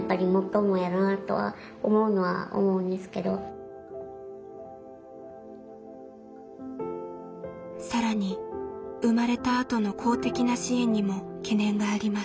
だから更に生まれたあとの公的な支援にも懸念があります。